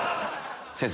先生